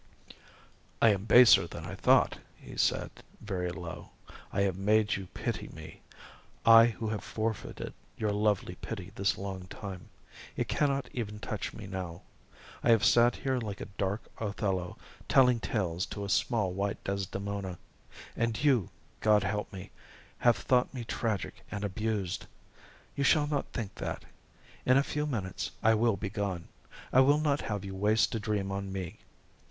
"I am baser than I thought," he said, very low. "I have made you pity me, I who have forfeited your lovely pity this long time. It cannot even touch me now. I have sat here like a dark Othello telling tales to a small white Desdemona, and you, God help me, have thought me tragic and abused. You shall not think that. In a few minutes I will be gone I will not have you waste a dream on me.